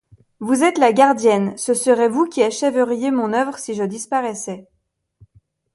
Vous êtes la gardienne, ce serait vous qui achèveriez mon œuvre, si je disparaissais.